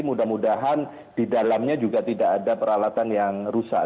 mudah mudahan di dalamnya juga tidak ada peralatan yang rusak